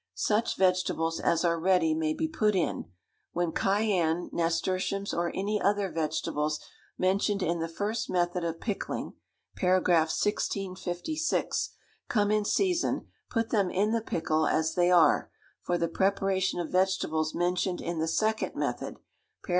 Such vegetables as are ready may be put in; when cayenne, nasturtiums, or any other vegetables mentioned in the first method of pickling (par. 1656) come in season, put them in the pickle as they are; for the preparation of vegetables mentioned in the second method (par.